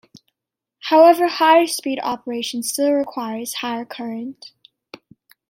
However, higher speed operation still requires higher current.